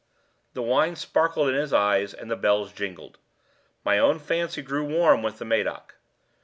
The wine sparkled in his eyes and the bells jingled. My own fancy grew warm with the Medoc.